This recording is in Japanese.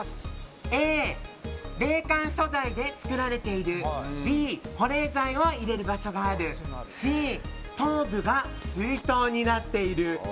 Ａ、冷感素材で作られているＢ、保冷剤を入れる場所があるＣ、頭部が水筒になっている。